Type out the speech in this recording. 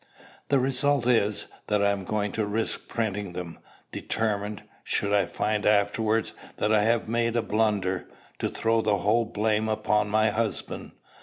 The result is, that I am going to risk printing them, determined, should I find afterwards that I have made a blunder, to throw the whole blame upon my husband.